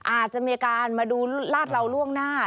อาจจะมีอาการมาดูลาดเหล่าล่วงหน้า